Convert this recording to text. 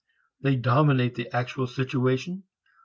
They dominate the actual situation.